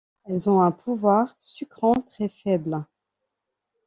Elles ont un pouvoir sucrant très faible.